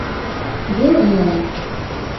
— Беҙме?..